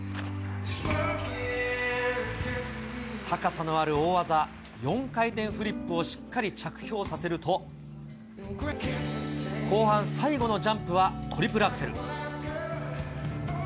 高さのある大技、４回転フリップをしっかり着氷させると、後半最後のジャンプはトリプルアクセル。